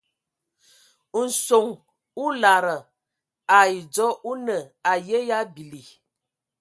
Nson o lada ai dzɔ o nə aye yə a bili.